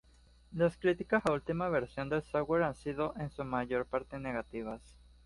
Las críticas a última versión de software han sido en su mayor parte negativas.